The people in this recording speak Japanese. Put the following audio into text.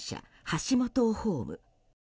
ハシモトホーム。